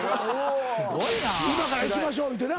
今から行きましょう言うてな。